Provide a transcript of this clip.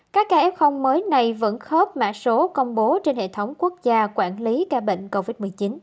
các ca f mới này vẫn khớp mã số công bố trên hệ thống quốc gia quản lý ca bệnh covid một mươi chín